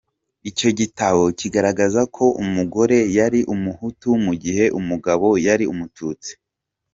Icyo gitabo kigaragaza ko umugore yari Umuhutu mu gihe umugabo yari Umututsi.